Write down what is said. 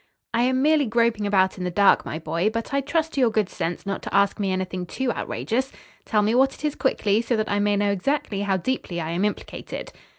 "I am merely groping about in the dark, my boy, but I trust to your good sense not to ask me anything too outrageous. Tell me what it is quickly, so that I may know exactly how deeply I am implicated."